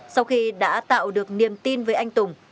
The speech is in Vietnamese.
sau khi đã tạo được niềm tin với anh tùng